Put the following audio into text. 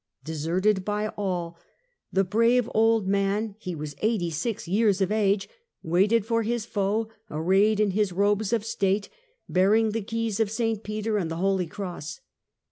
Deserted by all, the brave old man — he was eighty six years of age — waited for his foes, arrayed in his robes of state, bearing the keys of St. Peter and the Holy Cross.